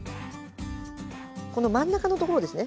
この真ん中のところですね。